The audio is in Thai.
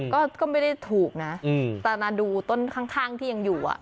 ก็ไม่ได้ถูกนะแต่มาดูต้นข้างที่ยังอยู่